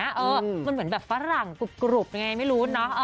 มันเหมือนแบบฝรั่งกรุบไม่รู้นะ